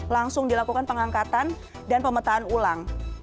langsung dilakukan pengangkatan dan pemetaan ulang